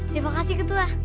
terima kasih ketua